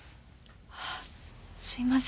あっすいません。